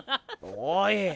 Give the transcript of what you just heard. おい。